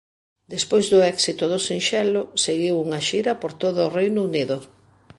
Despois do éxito do sinxelo seguiu unha xira por todo o Reino Unido.